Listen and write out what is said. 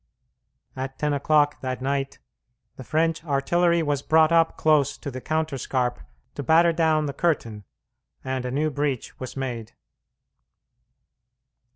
At ten o'clock that night the French artillery was brought up close to the counterscarp to batter down the curtain, and a new breach was made.